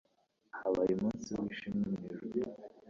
habaye umunsi wi shimwe mwijuru